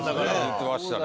言ってましたね。